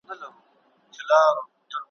نه را ګرځي بیا د اوسپني په ملو `